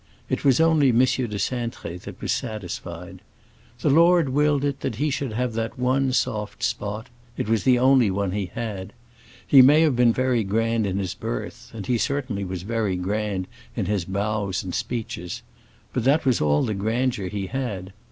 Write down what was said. It was only M. de Cintré that was satisfied. The Lord willed it he should have that one soft spot; it was the only one he had. He may have been very grand in his birth, and he certainly was very grand in his bows and speeches; but that was all the grandeur he had.